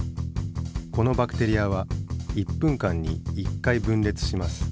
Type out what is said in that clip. このバクテリアは１分間に１回分れつします。